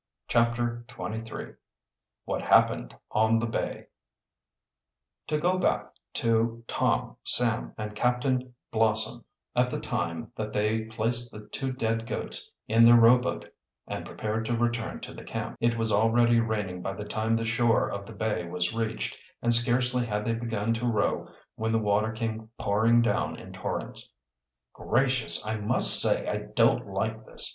CHAPTER XXIII WHAT HAPPENED ON THE BAY To go back to Tom, Sam, and Captain Blossom at the time that they placed the two dead goats in their rowboat and prepared to return to the camp. It was already raining by the time the shore of the bay was reached, and scarcely had they begun to row when the water came pouring down in torrents. "Gracious! I must say I don't like this!"